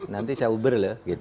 nanti saya uber